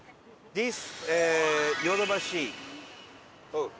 ディス。